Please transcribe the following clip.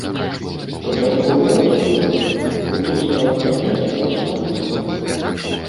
Спачатку гуляў за дубль, потым стаў трапляць у асноўны склад.